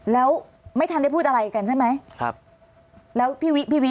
แล้วไม่ทันได้พูดอะไรกันใช่ไหมครับแล้วพี่วิพี่วิ